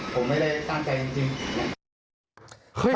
ผมไม่ได้ตั้งใจจริง